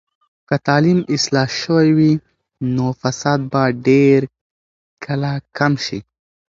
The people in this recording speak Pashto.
که تعلیم اصلاح شوي وي، نو فساد به ډیر کله کم شي.